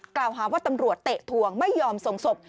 กล่าวหาว่าตำรวจเตะถวงไม่ยอมส่งศพ